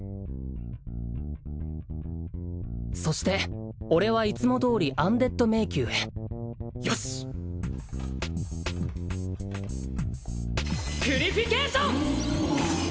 そして俺はいつもどおりアンデッド迷宮へよしっ！ピュリフィケイション！